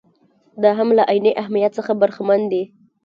دا هم له عیني اهمیت څخه برخمن دي.